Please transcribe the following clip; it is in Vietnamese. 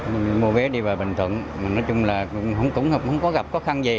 mình mua vé đi vào bình thuận mà nói chung là cũng không có gặp khó khăn gì